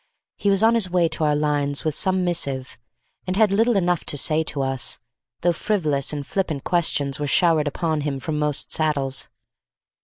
He was on his way to our lines with some missive, and had little enough to say to us, though frivolous and flippant questions were showered upon him from most saddles.